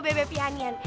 ini gue bawa bebe pianyan